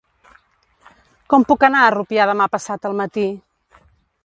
Com puc anar a Rupià demà passat al matí?